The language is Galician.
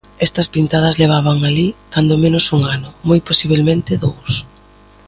Esas pintadas levaban alí cando menos un ano, moi posibelmente dous.